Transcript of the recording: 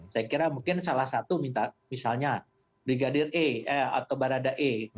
saya kira mungkin salah satu misalnya brigadir e atau barada e